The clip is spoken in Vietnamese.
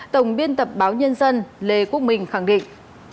tổng biên tập báo nhân dân lê quốc minh khẳng định